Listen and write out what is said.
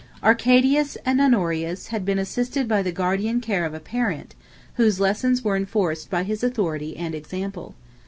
Arcadius and Honorius had been assisted by the guardian care of a parent, whose lessons were enforced by his authority and example.